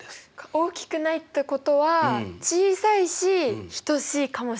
大きくないってことは小さいし等しいかもしれないみたいなことですか。